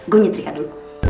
gua nyetirkan dulu